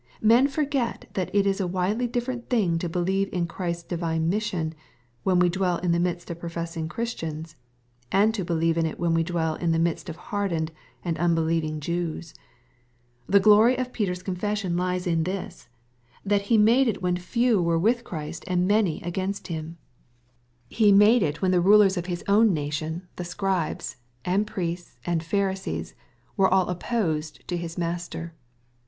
Men forget that it is a widely different thing to believe in Christ's divine mission, when we dwell in the midst of professing Christians, and to believe in it when we dwell in the midst of hardened and unbelieving Jews. The glory of Peter's confession lies in this, that he made it when few 196 EXPOSITORY THOUGHTS. were with Christ and many against Him. He made it when the rulers of his own nation, the Scribes, and Priests, and Pharisees, were all opposed to his Master.